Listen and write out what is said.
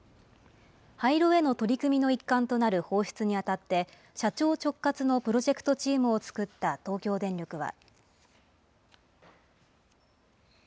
廃炉への取り組みの一環となる放出にあたって、社長直轄のプロジェクトチームを作った東京電力は。